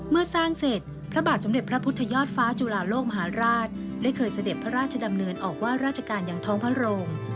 เมื่อสร้างเสร็จพระบาทสมเด็จพระพุทธยอดฟ้าจุฬาโลกมหาราชได้เคยเสด็จพระราชดำเนินออกว่าราชการอย่างท้องพระโรง